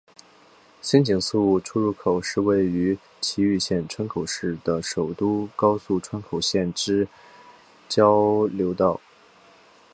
新井宿出入口是位于崎玉县川口市的首都高速川口线之交流道。